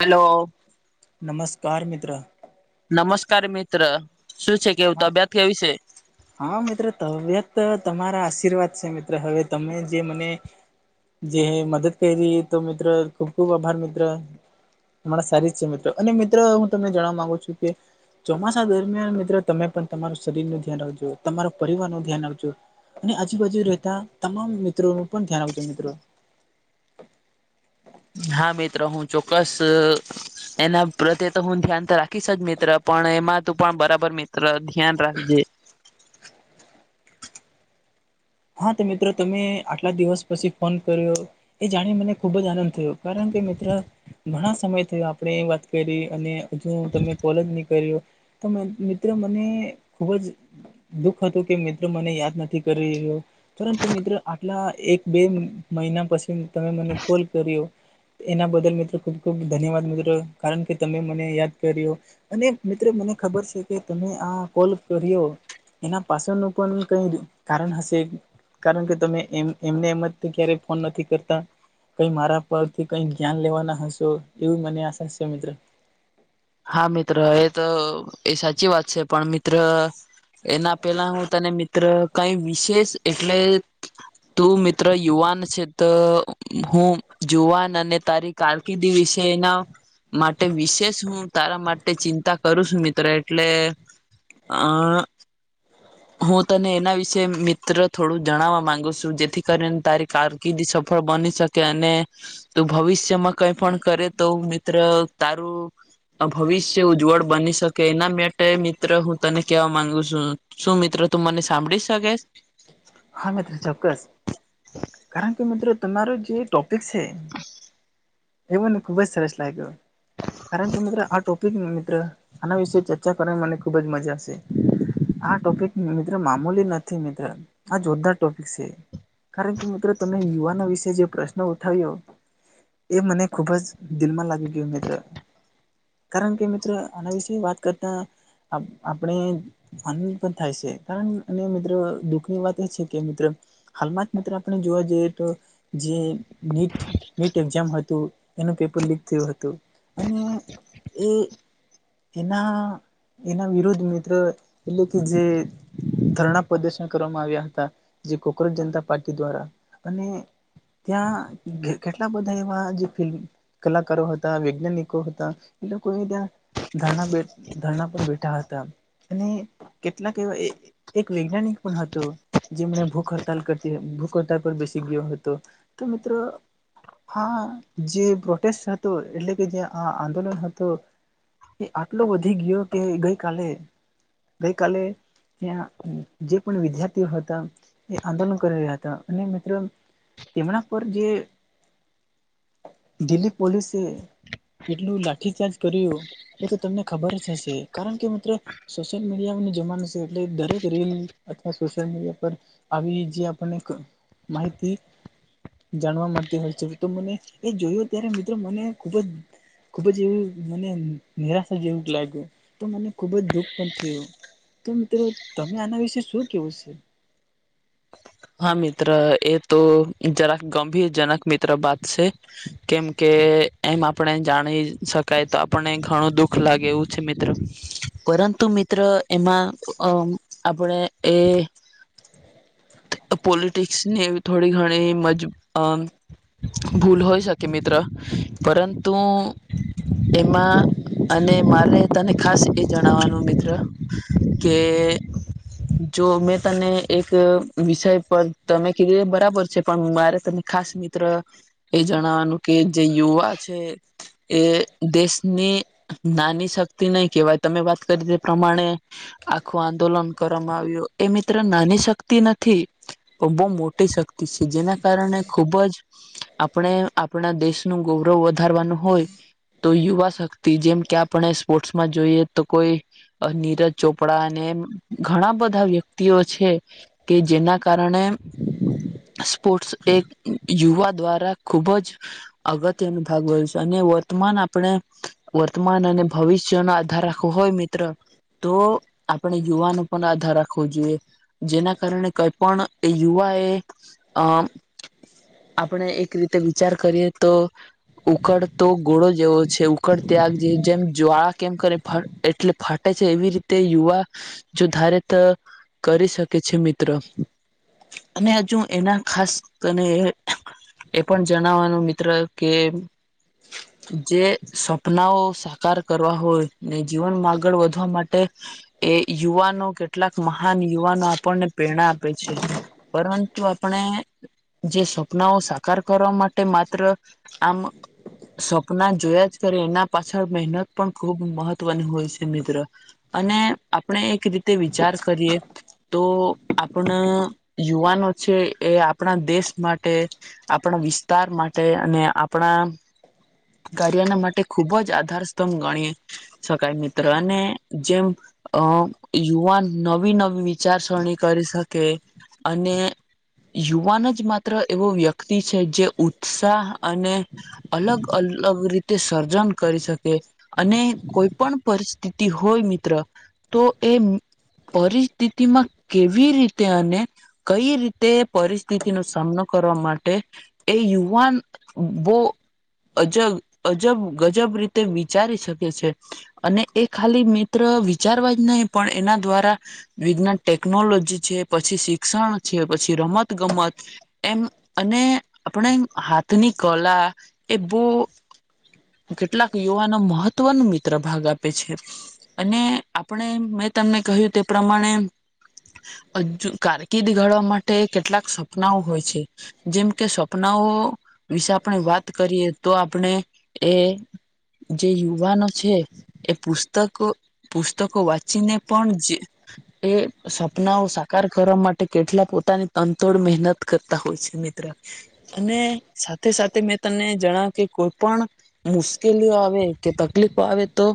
હાલો. નમસ્કાર મિત્ર નમસ્કાર મિત્ર શું છે, કેવું હા તબિયત કે વિશે હા, મિત્ર તબિયત તમારા આશીર્વાદ છે, મિત્ર હવે તમે જે મને જે મદદ કરીલી તો મિત્ર ખૂબ ખૂબ આભાર મિત્ર મારા સારી જ છે. મિત્રો અને મિત્રો હું તમને જાણવા માંગુ છું કે ચોમાસા દરમિયાન મિત્રો તમે પણ તમારું શરીરનું ધ્યાન રાખજો તમારો પરિવાર નું ધ્યાન રાખજો અને આજુબાજુ રહેતા તમામ મિત્રો ન પણ ધ્યાન રાખજો મિત્રો હા મિત્ર હું ચોક્કસ એના પ્રત્યે હું ધ્યાન તો રાખીશ જ મિત્ર પણ એમાં તું પણ બરાબર મિત્ર ખ્યાન રાખજે હા તો મિત્રો તમે આટલા દિવસ પછી ફોન કર્યો એ જાણી મને ખુબ જ આનંદ થયો કારણ કે મિત્ર ઘણા સમય થયો આપણે એ વાત કરી અને હજુ તમે કોલેજ નીકળ્યો તો મિત્ર મને ખુબ જ. દુઃખ હતું કે મિત્રો મને યાદ નથી કરી રહ્યો પરંતુ મિત્રો આટલા એક બે મહિના પછી તમે મને કોલ કર્યો એના બદલ મિત્રો ખૂબ ખૂબ ધન્યવાદ મિત્રો કારણ કે તમે મને યાદ કર્યો અને મિત્ર મને ખબર છે, કે તમે આ કોલ કર્યો એના પાછળનું પણ કઈ કારણ હશે કારણ કે તમે એ એમને એમ ક્યારેય ફોન નથી કરતા કઈ મારા પરથી કઈ જ્યાન લેવાના હશો એવી મને આશા છે મિત્ર. હા મિત્ર એ તો એ સાચી વાત છે. પણ મિત્ર એના પેલા હું તને મિત્ર કઈ વિશેષ એટલે તું મિત્ર યુવાન છે તો હું જુવાન અને તારી કારકિર્દી વિશે એના માટે વિશેષ હું તારા માટે ચિંતા કરું છું મિત્રો એટલે, અ હું તને એના વિશે જે મિત્ર થોડું જણાવવા માંગુ છું જેથી કરીને તારી કારકિર્દી સફળ બની શકે અને તું ભવિષ્યમાં કઈ પણ કરે તો મિત્ર તારું અ ભવિષ્ય ઉજ્જવળ બની શકે એના માટે મિત્ર હું તને કેવા માંગુ છું શું મિત્રો તું મને સાંભળી શકેશ હા મિત્રો ચોક્કસ કારણ કે મિત્રો તમારો જે ટોપિક છે એ મને ખુબ જ સરસ લાગ્યો કારણ કે મિત્ર આ ટોપિક મિત્ર આના વિશે ચર્ચા કરવાની મને ખુબ જ મજા આવશે આ ટોપિક મિત્ર મામૂલી નથી મિત્ર આ જોરદાર ટોપિક છે કારણ કે મિત્રો તમે યુવાનો વિશે જે પ્રશ્ન ઉઠાવ્યો એ મને ખુબ જ દિલમાં લાગી ગયું મિત્ર કારણ કે મિત્રો આના વિશેે વાત કરતા આપણે ફન પણ થાય છે કારણ અને મિત્રો દુઃખની વાત છે કે મિત્ર હાલમાં જ મિત્ર આપણે જોવા જઈએ તો જે નીટ નીટ એક્ઝામ હતું એનું પેપર લીક થયું હતું અને એ એના એના વિરુદ્ધ મિત્ર એટલે કે જે ધરણા પ્રદર્શન કરવામાં આવ્યા તા જે કોકરાજ જનતા પાર્ટી દ્વારા અને ત્યાં કેટલા બધા એવા જે ફિલ્મ કલાકારો હતા વૈજ્ઞાનિકો હતા એ લોકો ત્યાં ધરણા પર ધરણા પર બેઠા હતા અને કેટલાક એવા એક વૈજ્ઞાનિક પણ હતો જેમને ભૂખ હડતાલ કરતી ભૂખ હડતાલ પર બેસી ગયો હતો તો મિત્રો હા જે પ્રોટેસ્ટ હતો એટલે કે જે આ આંદોલન હતું એ આટલો વધી ગયો કે ગઈ કાલે ગઈ કાલે ત્યાં જે પણ વિદ્યાર્થીઓ હતા તા એ આંદોલન કરી રહ્યા હતા અને મિત્રો તેમના પર જે દિલ્હી પોલીસે કેટલું લાઠીચાર્જ કર્યું એ તો તમને ખબર જ હશે કારણ કે મિત્રો સોશિયલ મીડિયા નો જમાનો છે એટલે દરેક રીલ અથવા સોશિયલ મીડિયા પર આવી જે આપણને માહિતી જાણવા મળતી હોય છે તો મને એ જોયું ત્યારે મિત્રો મને ખુબ જ ખુબ જ એવું મને નિરાશા જેવું જ લાગ્યું તો મને ખુબ જ દુઃખ પણ થયું. તો મિત્રો તમે આના વિશે શું કેવું છે? આ મિત્ર એ તો જરાક ગંભીરજનક મિત્ર બાત છે કેમ કે એમ આપણે જાણી શકાય તો આપણને ઘણું દુઃખ લાગે એવું છે મિત્ર. પરંતુ મિત્ર એમાં અં આપણે એ પોલિટિક્સની એવી થોડી ઘણી મજ અ ભૂલ હોઈ શકે મિત્ર પરંતુ એમાં અને મારે તને ખાસ એ જણાવવાનું મિત્ર કે જો મે તને એક અ વિષય પર તમે કીધું એ બરાબર છે પણ મારે તને ખાસ મિત્ર એ જણાવાનું કે જે યુવા છે એ દેશ ની નાની શક્તિ નઈ કેવાય તમે વાત કરી તે પ્રમાણે આખું આંદોલન કરવામાં આવ્યું એ મિત્ર નાની શક્તિ ન થી એ બઉ મોટી શક્તિ છે જેના કારણે ખૂબ જ આપણે આપણા દેશનું ગૌરવ વધારવાનું હોય તો યુવા શક્તિ જેમ કે આપણે સ્પોર્ટસમાં જોઈએ તો કોઈ નીરજ ચોપડા અને એમ ઘણા બધા વ્યક્તિઓ છે. તે જેના કારણે સ્પોર્ટ્સ એક યુવા દ્વારા ખુબ જ અગત્યનો ભાગ હોય છે અને વર્તમાન આપણે વર્તમાન અને ભવિષ્યનો આધાર રાખવો હોય મિત્ર તો આપણે યુવાનો પર આધાર રાખવો જોઈએ. જેના કારણે કઈ પણ એ યુવા એ અ આપણે એક રીતે વિચાર કરીએ તો ઉઘડતો ઘોડો જેવો છે ઉઘડ ત્યાગ જેવું જેમ જ્વાળા કેમ કરે એટલે ફાટે છે એવી રીતે યુવા જો ધારે તો કરી શકે છે મિત્ર. અને હજું એના ખાસ [unintelligible] એ પણ જણાવાનું મિત્ર કે જે સ્વપ્નાઓ સાકાર કરવા હોય અને જીવનમાં આગળ વધવા માટે એ યુવાનો કેટલાક મહાન યુવાનો આપણને પ્રેરણા આપે છે. પરંતુ આપણે જે સ્વપ્નાઓ સાકાર કરવા માટે માત્ર આમ સ્વપ્ના જોયા જ કરે એના પાછળ મહેનત પણ ખુબ મહત્વની હોય છે મિત્ર. અને આપણે એક રીતે વિચાર કરીએ. તો આપણા યુવાનો છે એ આપણા દેશ માટે આપણા વિસ્તાર માટે અને આપણા કાર્યના માટે ખૂબ જ આધાર સ્તંભ ગણી શકાય મિત્ર અને જેમ અ યુવાન નવી નવી વિચારસરણી કરી શકે અને યુવાન જ માત્ર એવો વ્યક્તિ છે જે ઉત્સાહ અને અલગ અલગ રીતે સર્જન કરી શકે અને કોઈ પણ પરિસ્થિતિ હોય મિત્ર તો એ પરિસ્થિતિમાં કેવી રીતે અને કઈ રીતે પરિસ્થિતિનો સામનો કરવા માટે એ યુવાન બો અજબ અજબ ગજબ રીતે વિચારી શકે છે. અને એ ખાલી મિત્ર વિચારવા જ નહીં પણ એના દ્વારા વિજ્ઞાન ટેકનોલોજી છે પછી, શિક્ષણ છે પછી, રમત ગમત એમ અને આપણે હાથની કલા એ [inaudible] કેટલાક યુવાનો મહત્વનો મિત્ર ભાગ આપે છે. અને આપણે મેં તમને કહ્યું તે પ્રમાણે જ કારકિર્દ ગાળવા માટે કેટલાક સપનાઓ હોય છે. જેમ કે સપનાઓ વિશે આપણે વાત કરીએ તો આપણે એ જે યુવાનો છે. એ પુસ્તકો પુસ્તકો વાંચીને પણ જે એ સપનાઓ સાકાર કરવા માટે કેટલા પોતાની તનતોડ મહેનત કરતા હોય છે મિત્ર અને સાથે સાથે મેં તમને જણાવ્યું કે કોઈ પણ મુશ્કેલીઓ આવે કે તકલીફો આવે તો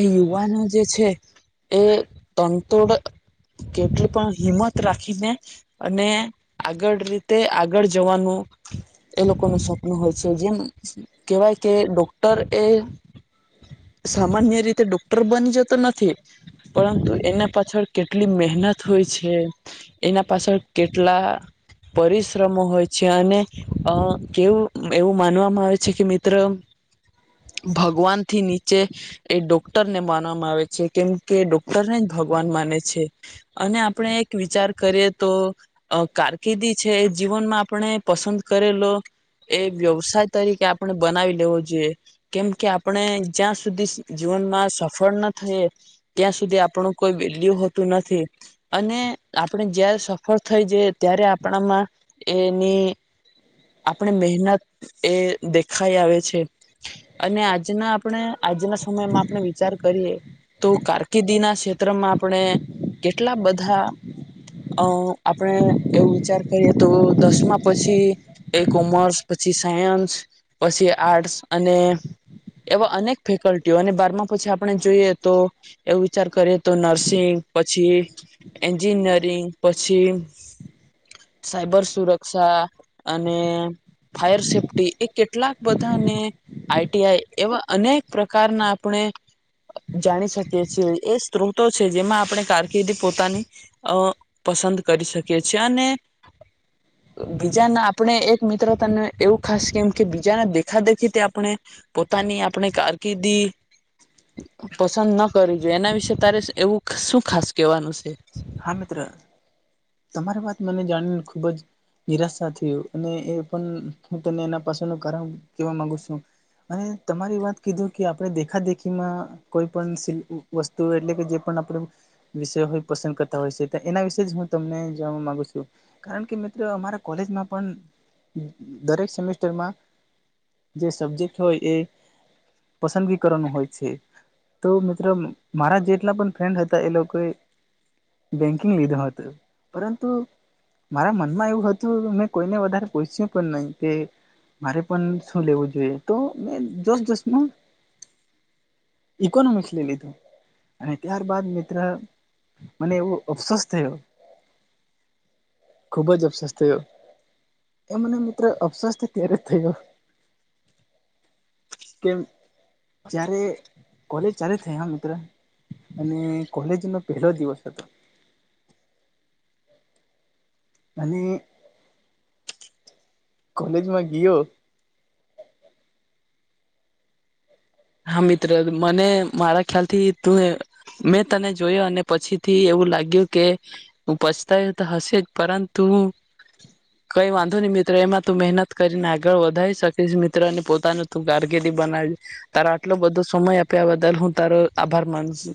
એ યુવાનો જે છે એ તંતુળ કેટલી પણ હિંમત રાખીને અને આગળ રીતે આગળ જવાનું એ લોકો નું સ્વપ્ન હોય છે જેમ કેવાય કે ડોક્ટર એ સામાન્ય રીતે ડોક્ટર બની જતો નથી પરંતુ એના પાછળ કેટલી મહેનત હોય છે. એના પાછળ કેટલા? પરિશ્રમો હોય છે અને અ કેવું એવું માનવામાં આવે છે કે [inaudible] ભગવાન થી નીચે એ ડોક્ટરને માનવામાં આવે છે. કેમ કે ડોક્ટરને જ ભગવાન માને છે અને આપણે એક વિચાર કરીએ તો અ કારકિર્દી છે એ જીવનમાં આપણે પસંદ કરેલો એ વ્યવસાય તરીકે આપણે બનાવી લેવો જોઈએ. કેમ કે આપણે જ્યાં સુધી જીવનમાં સફળ ના થઈ. ત્યાં સુધી આપણું કોઈ વેલ્યુ હોતું નથી. અને આપણે જયારે સફળ થઈ જઈ ત્યારે આપણામાં એની. આપણે મહેનત એ દેખાઈ આવે છે. અને આજના આપણે આજના સમયમાં આપણે વિચાર કરીએ. તો કારકિર્દીના ક્ષેત્રમાં આપણે કેટલા બધા. અ આપણે એવું વિચાર કરીએ તો દસમા પછી. એ કોમર્સ પછી સાયન્સ પછી આર્ટસ અને. એવા અનેક ફેકલ્ટીઓ અને બારમાં પછી આપણે જોઈએ તો. એવું વિચાર કરીએ તો નર્સિંગ પછી. એન્જિનિયરિંગ પછી. સાયબર સુરક્ષા અને ફાયર સેફ્ટી એક. કેટલાક બધાને આઈટીઆઈ એવા અનેક પ્રકારના આપણે. જાણી શકીએ છીએ એ સ્ત્રોતો છે જેમાં આપણે કારકિર્દી પોતાની. અ પસંદ કરી શકીએ છેએ અને. બીજા આપડણે એક મિત્રતાને એવું ખાસ કેમ. કે બીજાને દેખા દેખી તે આપણે. પોતાની આપણે કારકિર્દી પસંદ ન કરવી જોઈએ એના વિશે તારે એવું. શું ખાસ કહેવાનું છે. હા મિત્ર તમારી વાત મને જાણીને ખુબ જ. નિરાશા થયું અને એ પણ હું તને એના પાસેનું કારણ કેવા માંગુ છું. અને તમારી વાત કીધું કે આપણે દેખાદેખીમાં. કોઈ પણ વસ્તુ એટલે કે જે પણ આપણે વિષય હોય પસંદ કર. હોય છે એના વિશે જ હું તમને જાણવા મામાંગુ છું કારણ કે મિત્રો અમારા કોલેજમાં પણ. દરેક સેમેસ્ટરમાં જે સબ્જેક્ટ હોય એ. પસંદગી કરવાનું હોય છે તો મિત્રો મારા જેટલા પણ ફ્રેન્ડ હતા એ લોકોએ. બેંકિંગ લીધા હતો પરંતુ. મારા મનમાં એવું હતું મેં કોઈને વધારે પછ્યું પણ નહી તે. મારે પણ શું લેવું જોઈએ તો મેં જોસ દસ ન. ઇકોનોમિક્સ લઈ લીધું અને ત્યારબાદ મિત્ર. મને એવો અફસોસ થયો ખુબ જ અફસોસ થયો. એ મને મિત્ર અફસસ તો ત્યારે થયો. કેમ. જય્યારે કોલેજ ચાલે થઈ હ મિત્ર અને કોલેજનોો પહેલો દિવસ. [inaudible] [unintelligible] અને કોલેજમાં ગીયો. હા મિત્ર મને મારા ખ્યાલ થી. તું મેં તને જોયો અને પછીથી એવું લાગ્યું કે. પછતાય તો હશે જ પરંતુ. કઈ વાંધો નહી મિત્રો એમાં તું મહેનત કરીને આગળ વધારી શકીશ મિત્ર ને પોતાનું તું કારગિદી બનાવીશ. તારા આટલો બધો સમય આપ્યા બદલ હું તારો આભાર માનું છું.